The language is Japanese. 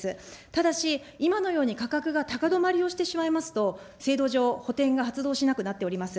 ただし、今のように価格が高止まりをしてしまいますと、制度上、補填が発動しなくなっております。